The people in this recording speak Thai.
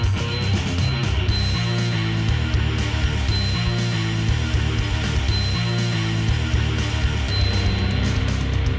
โปรดติดตามตอนต่อไป